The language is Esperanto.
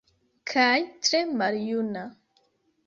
Kaj tre maljuna.